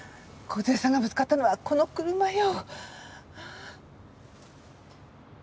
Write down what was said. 梢さんがぶつかったのはこの車よ。